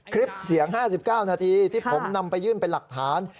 คลิปเสียง๕๙นาทีที่ผมนำไปยื่นเป็นหลักฐาน